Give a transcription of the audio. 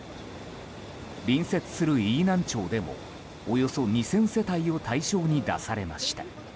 隣接する飯南町でもおよそ２０００世帯を対象に出されました。